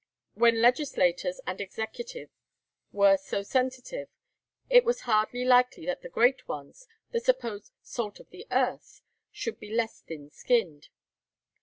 When legislators and executive were so sensitive, it was hardly likely that the great ones, the supposed salt of the earth, should be less thin skinned.